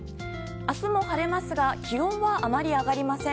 明日も晴れますが気温はあまり上がりません。